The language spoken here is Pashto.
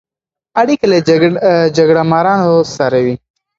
اړیکې له جګړه مارانو سره وې.